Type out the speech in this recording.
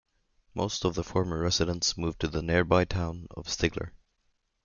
Most of the former residents moved to the nearby town of Stigler.